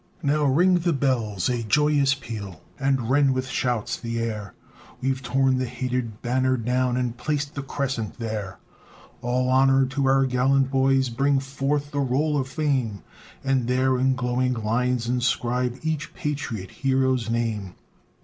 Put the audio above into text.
Now ring the bells a joyous peal, And rend with shouts the air, We've torn the hated banner down, And placed the Crescent there. All honor to our gallant boys, Bring forth the roll of fame, And there in glowing lines inscribe Each patriot hero's name.